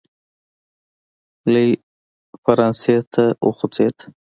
لی فرانسې ته وخوځېد.